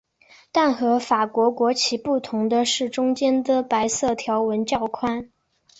但和法国国旗不同的是中间的白色条纹较宽。